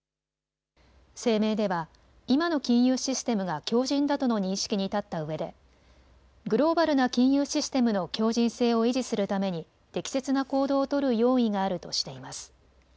声明では今の金融システムが強じんだとの認識に立ったうえでグローバルな金融システムの強じん性を維持するために適切な行動を取る用意があるとしています。